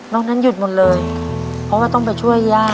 นั้นหยุดหมดเลยเพราะว่าต้องไปช่วยย่า